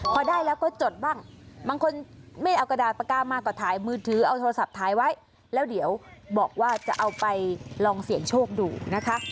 พอได้แล้วก็จดบ้างบางคนไม่เอากระดาษปากกามาก็ถ่ายมือถือเอาโทรศัพท์ถ่ายไว้แล้วเดี๋ยวบอกว่าจะเอาไปลองเสี่ยงโชคดูนะคะ